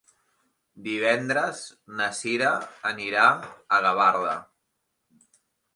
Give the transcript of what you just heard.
Divendres na Sira anirà a Gavarda.